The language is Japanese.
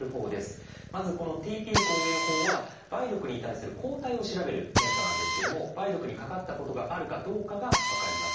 まずこのＴＰ抗原法は梅毒に対する抗体を調べる検査なんですけども梅毒にかかったことがあるかどうかが分かります。